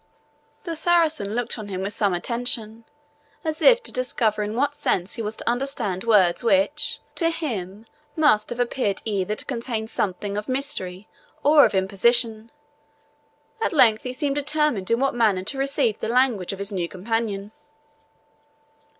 The Saracen looked on him with some attention, as if to discover in what sense he was to understand words which, to him, must have appeared either to contain something of mystery or of imposition. At length he seemed determined in what manner to receive the language of his new companion.